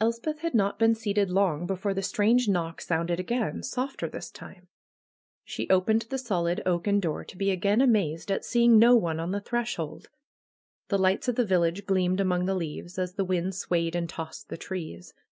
Elspeth had not been seated long before the strange knock sounded again, softer this time. She opened the solid oaken door to be again amazed at seeing no one on the threshold. The lights of the village gleamed among the leaves, as the wind swayed and tossed the trees.